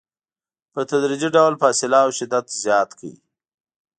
په تدریجي ډول فاصله او شدت زیات کړئ.